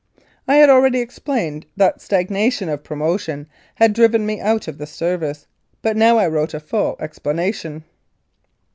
I had already explained that stagnation of promotion had driven me out of the Service, but now I wrote a full explanation.